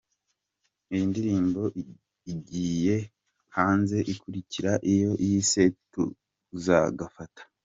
Iyi ndirimbo igiye hanze ikurikira iyo yise Tuzagafata.